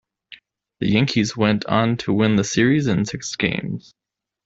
The Yankees went on to win the series in six games.